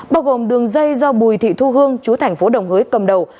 bao gồm đường dây do bùi thị thu hương chú thành phố đồng hới cầm đầu